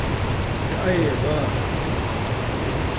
je ayaya baa